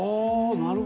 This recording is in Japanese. なるほど。